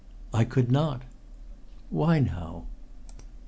"I could not!" "Why, now?"